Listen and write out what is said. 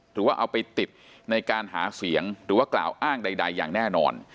หรือว่าเอาไปติดในการหาเสียงหรือว่ากล่าวอ้างใดอย่างแน่นอน